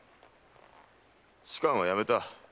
仕官はやめた。